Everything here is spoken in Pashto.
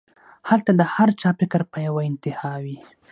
هلته د هر چا فکر پۀ يوه انتها وي